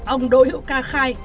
ông đỗ hiệu ca khai